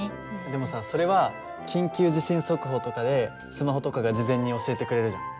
でもさそれは緊急地震速報とかでスマホとかが事前に教えてくれるじゃん。